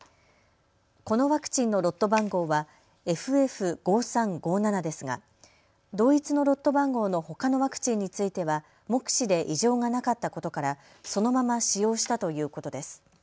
このワクチンのロット番号はＦＦ５３５７ですが同一のロット番号のほかのワクチンについては目視で異常がなかったことから、そのまま使用したということです。